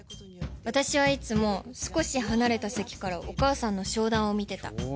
私はいつも少し離れた席からお母さんの商談を見てた。